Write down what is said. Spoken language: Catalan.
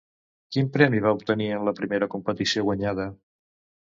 Quin premi va obtenir en la primera competició guanyada?